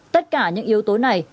tất cả những yếu tố này